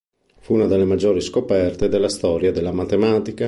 Fu una delle maggiori scoperte della storia della matematica.